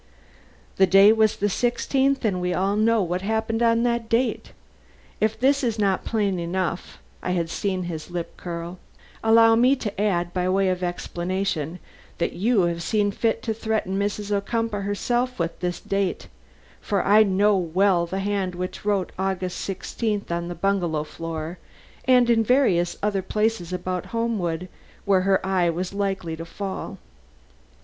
"That day was the sixteenth, and we all know what happened on that date. If this is not plain enough " I had seen his lip curl "allow me to add, by way of explanation, that you have seen fit to threaten Mrs. Ocumpaugh herself with this date, for I know well the hand which wrote August 16 on the bungalow floor and in various other places about Homewood where her eye was likely to fall."